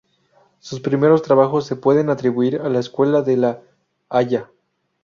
Sus primeros trabajos se pueden atribuir a la Escuela de La Haya.